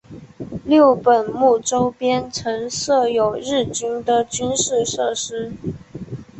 六本木周边曾设有日军的军事设施。